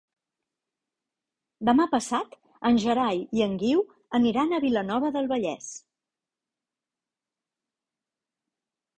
Demà passat en Gerai i en Guiu aniran a Vilanova del Vallès.